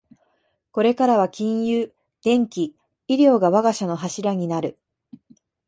これからは金融、電機、医療が我が社の柱になる